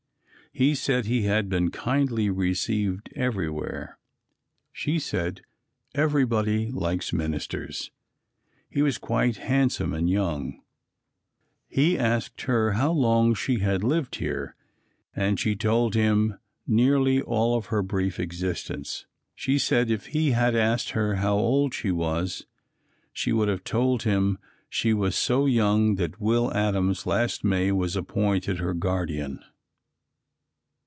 He said he had been kindly received everywhere. She said "everybody likes ministers." (He was quite handsome and young.) He asked her how long she had lived here and she told him nearly all of her brief existence! She said if he had asked her how old she was she would have told him she was so young that Will Adams last May was appointed her guardian.